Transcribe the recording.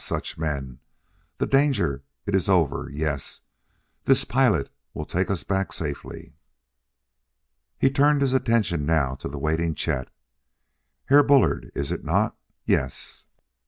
such men! The danger it iss over yess! This pilot, he will take us back safely." He turned his attention now to the waiting Chet. "Herr Bullard, iss it not yess?"